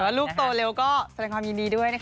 ลูกโตเร็วก็แสดงความยินดีด้วยนะคะ